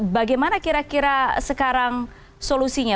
bagaimana kira kira sekarang solusinya